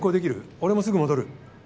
俺もすぐ戻る。